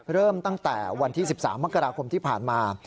เริ่มตั้งแต่วันที่๑๓มกราคมที่ผ่านมา